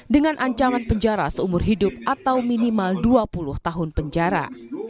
dengan ancaman penjara seumur hidup atau minimal dua puluh tahun penjara